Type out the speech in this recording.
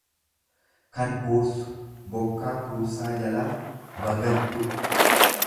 kan huursu; Bokkaa huursaa jalaa bagadhu.